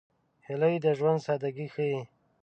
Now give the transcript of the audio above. هیلۍ د ژوند سادګي ښيي